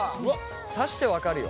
刺して分かるよ。